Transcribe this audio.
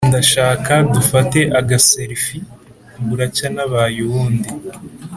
ndashaka dufate agaselifi, buracya nabaye uwundi